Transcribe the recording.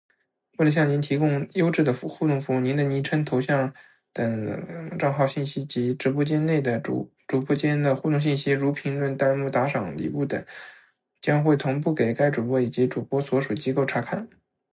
为了向您提供优质的互动服务，您的昵称、头像等账号信息及直播间内与主播间的互动信息（如评论、弹幕、打赏、礼物等）将会同步给该主播以及主播所属机构查看。